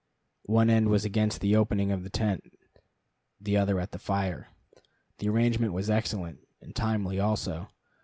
One end was against the opening of the tent, the other at the fire. The arrangement was excellent, and timely also.